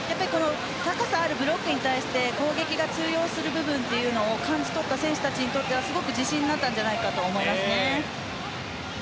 高さのあるブロックに対して攻撃が通用する部分を感じ取った選手たちにとっては自信になったと思います。